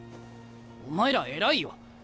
お前ら偉いよ。